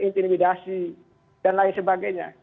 intimidasi dan lain sebagainya